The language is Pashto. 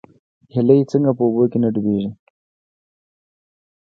هیلۍ څنګه په اوبو کې نه ډوبیږي؟